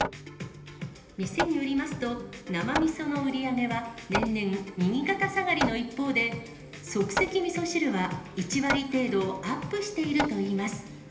店によりますと、生みその売り上げは年々、右肩下がりの一方で、即席みそ汁は１割程度アップしているといいます。